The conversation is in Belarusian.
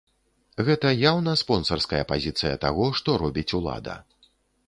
Гэта яўна спонсарская пазіцыя таго, што робіць улада.